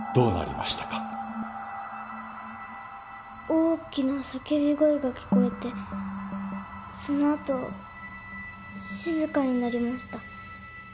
大きな叫び声が聞こえてそのあと静かになりました。